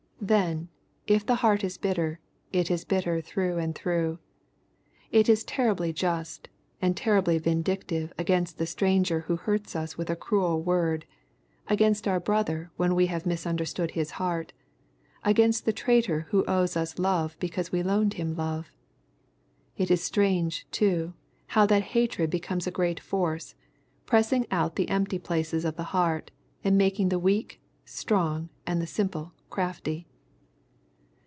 Then, if the heart is bitter, it is bitter through and through. It is terribly just, and terribly vindictive against the stranger who hurts us with a cruel word, against our brother when we have misunderstood his heart, against the traitor who owes us love because we loaned him love. It is strange, too, how that hatred becomes a great force, pressing out the empty places of the heart, and making the weak, strong, and the simple, crafty.